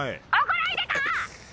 怒らいでか！